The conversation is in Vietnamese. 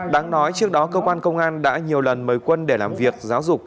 đáng nói trước đó cơ quan công an đã nhiều lần mời quân để làm việc giáo dục